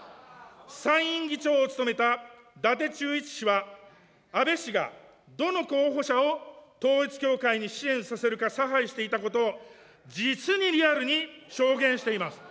参院議長を務めた伊達忠一氏は、安倍氏がどの候補者を統一教会に支援させるか差配していたことを実にリアルに証言しています。